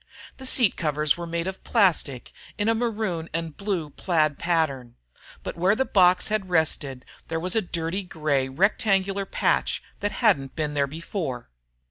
The seat covers were made of plastic in a maroon and blue plaid pattern. But where the box had rested there was a dirty grey rectangular patch that hadn't been there before.